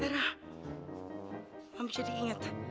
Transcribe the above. yara mami jadi ingat